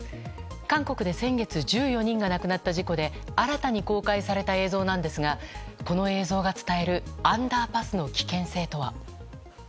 韓国で先月１４人が亡くなった事故で新たに公開された映像なんですがこの映像が伝えるアンダーパスの危険性とは。